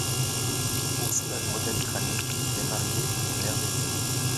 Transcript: Ursula Groden-Kranich est mariée et mère d´une fille.